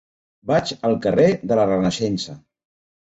Vaig al carrer de la Renaixença.